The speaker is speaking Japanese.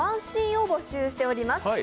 １シーンを募集しております